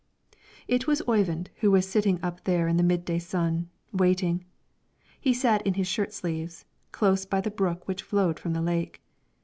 It was Oyvind who was sitting up there in the mid day sun, waiting. He sat in his shirt sleeves, close by the brook which flowed from the lake.